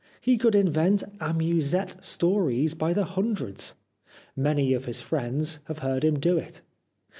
He could invent amusette stories by the hundreds. Many of his friends have heard him to do it.